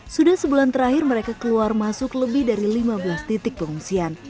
sudah sebulan terakhir mereka keluar masuk lebih dari lima belas titik pengungsian